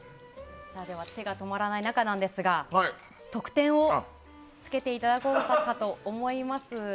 手が止まらない中なんですが得点をつけていただこうかと思います。